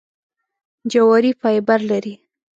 جواري فایبر لري .